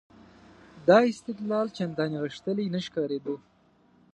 دا استدلال چندانې غښتلی نه ښکارېده.